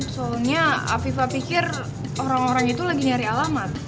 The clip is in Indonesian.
sebenarnya afifah pikir orang orang itu lagi nyari alamat